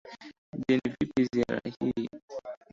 je ni vipi ziara hii